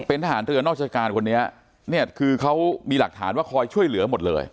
ทหารเรือนอกราชการคนนี้เนี่ยคือเขามีหลักฐานว่าคอยช่วยเหลือหมดเลย